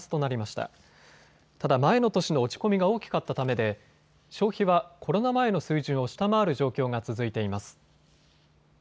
ただ前の年の落ち込みが大きかったためで消費はコロナ前の水準を下回る状況が続いています。